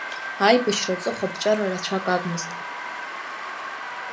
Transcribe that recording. Аибашьра аҵыхәаԥҵәара рацәак агӡамызт.